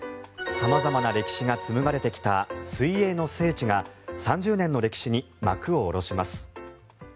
様々な歴史が紡がれてきた水泳の聖地が３０年の歴史に幕を下ろします。